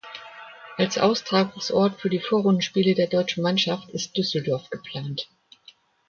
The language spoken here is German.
Als Austragungsort für die Vorrundenspiele der deutschen Mannschaft ist Düsseldorf geplant.